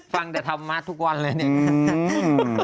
ฟังแต่ธรรมะทุกวันเลยเนี่ย